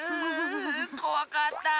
こわかった！